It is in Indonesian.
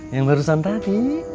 yang barusan tadi